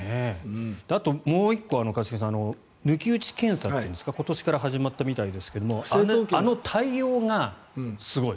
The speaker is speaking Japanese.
あともう１個は一茂さん抜き打ち検査が今年から始まったみたいですがあの対応がすごい。